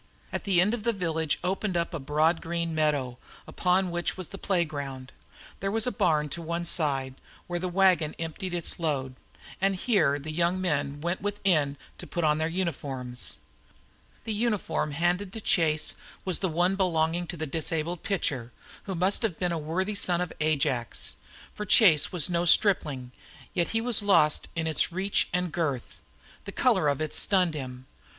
At the end of the village opened up a broad green meadow, upon which was the playground. There was a barn to one side, where the wagon emptied its load; and here the young men went within to put on their uniforms. The uniform handed to Chase was the one belonging to the disabled pitcher, who must have been a worthy son of Ajax. For Chase was no stripling, yet he was lost in its reach and girth. The color of it stunned him.